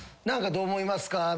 どう思いますか？